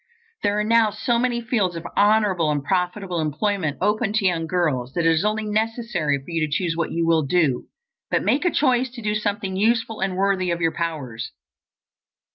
There are now so many fields of honorable and profitable employment open to young girls that it is only necessary for you to choose what you will do. But make a choice to do something useful and worthy of your powers.